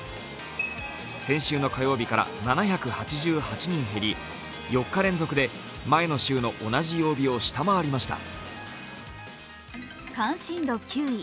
先週の火曜日から７８８人減り４日連続で前の週の同じ曜日を下回りました。